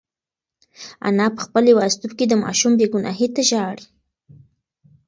انا په خپل یوازیتوب کې د ماشوم بېګناهۍ ته ژاړي.